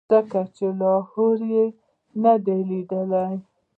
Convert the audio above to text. ځکه چې لاهور یې نه دی لیدلی.